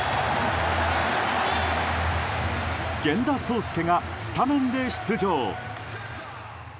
源田壮亮がスタメンで出場。